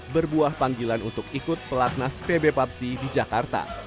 berbuah panggilan untuk ikut pelatnas pbpupsi di jakarta